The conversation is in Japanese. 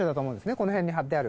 この辺に張ってある。